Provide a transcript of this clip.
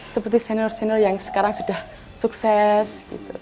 seperti senior senior yang sekarang sudah sukses